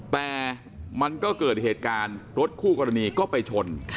แต่มันก็เกิดเหตุการณ์รถคู่กรณีก็ไปชน